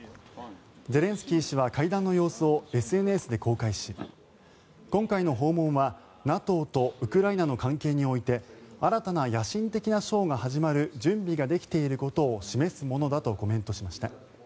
ゼレンスキー氏は会談の様子をＳＮＳで公開し今回の訪問はＮＡＴＯとウクライナの関係において新たな野心的な章が始まる準備ができていることを示すものだとコメントしました。